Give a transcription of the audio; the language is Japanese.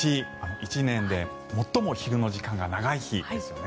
１年で最も昼の時間が長い日ですよね。